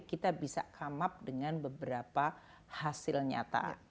kita bisa come up dengan beberapa hasil nyata